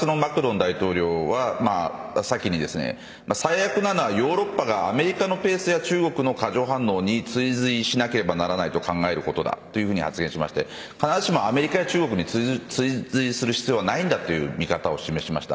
フランスのマクロン大統領は最悪なのはヨーロッパがアメリカのペースや中国の過剰反応に追随しなければならないと考えることだ、と発言していて必ずしもアメリカや中国に追随する必要はないという見方を示しました。